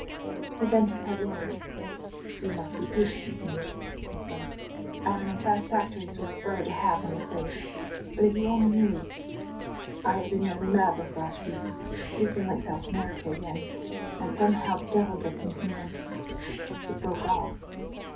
He bent his head lower. "You must be patient with me," he said. "I am an unsatisfactory sort of brother to have, I'm afraid; but if you only knew I have been nearly mad this last week. It has been like South America again. And somehow the devil gets into me and " He broke off.